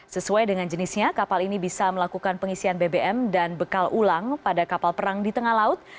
sesuai dengan jenisnya kapal ini bisa melakukan pengisian bbm dan bekal ulang pada kapal perang di tengah laut